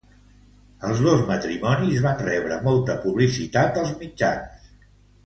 Els dos matrimonis van rebre molta publicitat als mitjans.